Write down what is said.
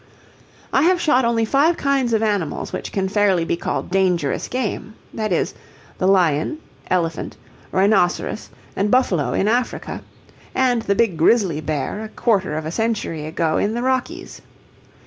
I have shot only five kinds of animals which can fairly be called dangerous game that is, the lion, elephant, rhinoceros, and buffalo in Africa, and the big grizzly bear a quarter of a century ago in the Rockies.